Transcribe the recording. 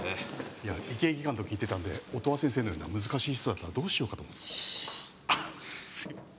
いや医系技官と聞いてたんで音羽先生のような難しい人だったらどうしようかとシーッあっすいません